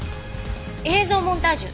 映像モンタージュ？